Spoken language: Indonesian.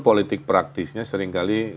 politik praktisnya seringkali